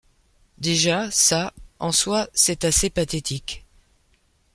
Déjà, ça, en soi, c’est assez pathétique.